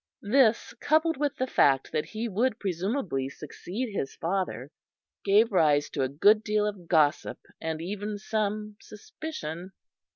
This, coupled with the fact that he would presumably succeed his father, gave rise to a good deal of gossip, and even some suspicion.